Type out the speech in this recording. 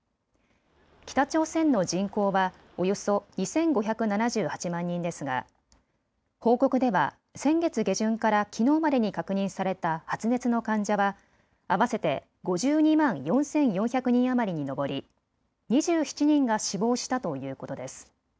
北朝鮮の人口はおよそ２５７８万人ですが報告では先月下旬からきのうまでに確認された発熱の患者は合わせて５２万４４００人余りに上り、２７人が死亡したということです。